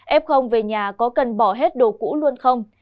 ép không về nhà có cần bỏ hết đồ cũ luôn không